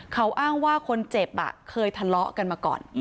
เขาอ้างว่าคนเจ็บเคยทะเลาะกันมาก่อน